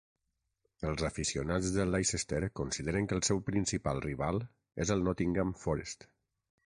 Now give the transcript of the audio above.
Els aficionats del Leicester consideren que el seu principal rival és el Nottingham Forest.